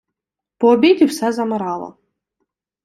По обіді все замирало.